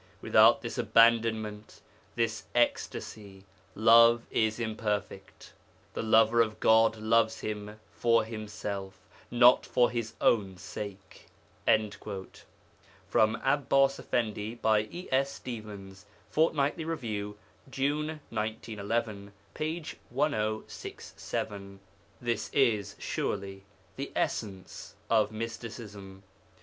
Without this abandonment, this ecstasy, love is imperfect. The Lover of God loves Him for Himself, not for his own sake.' From 'Abbas Effendi,' by E. S. Stevens, Fortnightly Review, June 1911, p. 1067. This is, surely, the essence of mysticism.